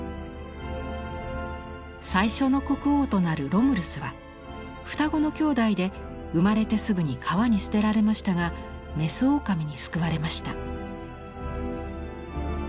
最初の国王となるロムルスは双子の兄弟で生まれてすぐに川に捨てられましたが牝狼に救われました。